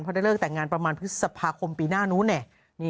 เพราะได้เลิกแต่งงานประมาณพฤษภาคมปีหน้านู้น